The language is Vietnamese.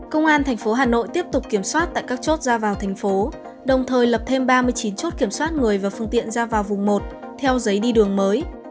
công an thành phố hà nội tiếp tục kiểm soát tại các chốt ra vào thành phố đồng thời lập thêm ba mươi chín chốt kiểm soát người và phương tiện ra vào vùng một theo giấy đi đường mới